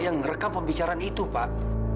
yang merekam pembicaraan itu pak